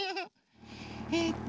えっと